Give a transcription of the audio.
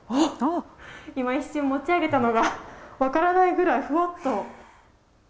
今、一瞬持ち上げたのが分からないぐらい、ふわっと。